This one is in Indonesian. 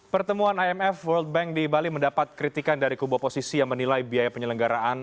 pertemuan imf world bank di bali mendapat kritikan dari kubu oposisi yang menilai biaya penyelenggaraan